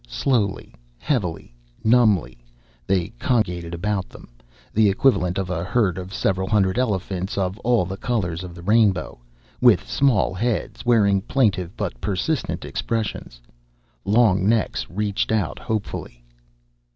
Slowly, heavily, numbly, they congregated about them the equivalent of a herd of several hundred elephants of all the colors of the rainbow, with small heads wearing plaintive but persistent expressions. Long necks reached out hopefully.